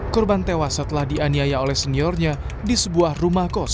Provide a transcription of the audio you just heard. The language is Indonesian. korban tewas setelah dianiaya oleh seniornya di sebuah rumah kos